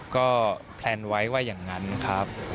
ก็แพลนไว้ว่าอย่างนั้นครับ